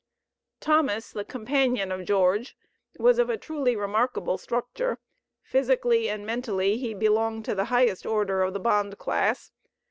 Thomas, the companion of George, was of a truly remarkable structure; physically and mentally he belonged to the highest order of the bond class.